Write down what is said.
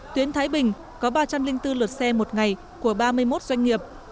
tuyến thái bình có ba trăm linh bốn lượt xe một ngày của ba mươi một doanh nghiệp